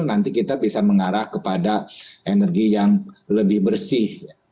nanti kita bisa mengarah kepada energi yang lebih bersih